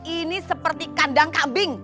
ini seperti kandang kambing